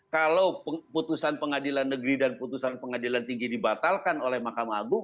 kalau putusan pengadilan negeri dan putusan pengadilan tinggi dibatalkan oleh mahkamah agung